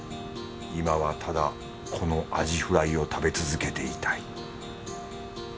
今はただこのアジフライを食べ続けていたい